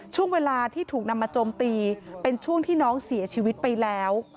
ช่วงเวลาที่ถูกนำมาโจมตีเป็นช่วงที่น้องเสียชีวิตไปแล้ว